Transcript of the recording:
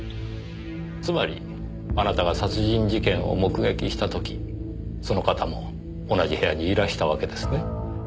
つまりあなたが殺人事件を目撃した時その方も同じ部屋にいらしたわけですね？